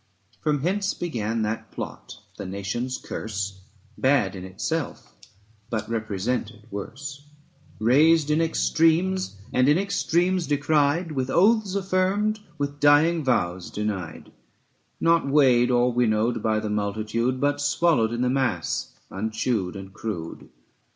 From hence began that Plot, the nation's curse, Bad in itself, but represented worse, Raised in extremes, and in extremes decried, 1 1 o With oaths affirmed, with dying vows denied, Not weighed or winnowed by the multitude, But swallowed in the mass, unchewed and crude.